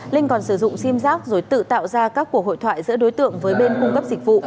linh còn sử dụng sim giác rồi tự tạo ra các cuộc hội thoại giữa đối tượng với bên cung cấp dịch vụ